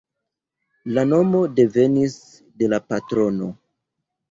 La nomo devenis de la patrono.